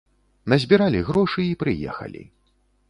Назбіралі грошы і прыехалі.